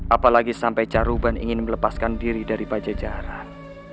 apalagi sampai caruban ingin melepaskan diri dari pajajaran